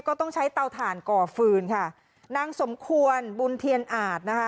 ก็ต้องใช้เตาถ่านก่อฟืนค่ะนางสมควรบุญเทียนอาจนะคะ